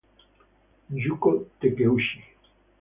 Yūko Takeuchi